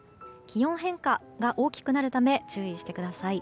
気温変化が大きくなるため注意してください。